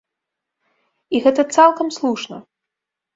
І гэта цалкам слушна.